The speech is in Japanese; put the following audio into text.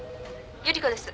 依子です。